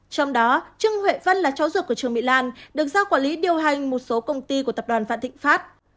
trong đó trương huệ vân là cháu ruột của trương mỹ lan được giao quản lý điều hành một số công ty của tập đoàn vạn thịnh pháp